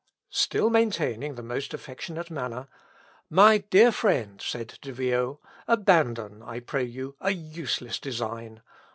Still maintaining the most affectionate manner, "My dear friend," said De Vio, "abandon, I pray you, a useless design.